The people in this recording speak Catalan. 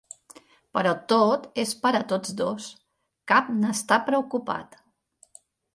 "Però tot és per a tots dos; cap n'està preocupat."